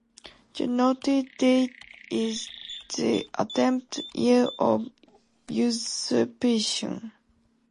The noted date is the attempted year of usurpation.